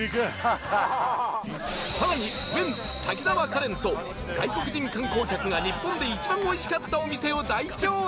カレンと外国人観光客が日本で一番おいしかったお店を大調査